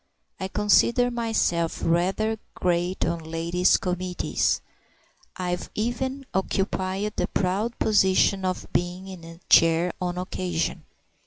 I consider myself rather great on ladies' committees; I've even occupied the proud position of being in the chair, on occasion.